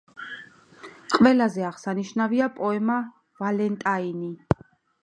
ყველაზე აღსანიშნავია პოემა „ვალენტაინი“.